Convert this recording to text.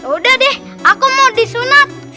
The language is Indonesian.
udah deh aku mau disunat